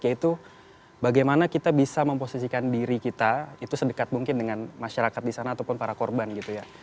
yaitu bagaimana kita bisa memposisikan diri kita itu sedekat mungkin dengan masyarakat di sana ataupun para korban gitu ya